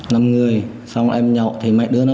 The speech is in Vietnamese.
năm người xong em nhậu thì mấy đứa nó bắt